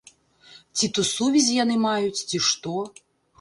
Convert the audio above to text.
Ці то сувязі яны маюць, ці што.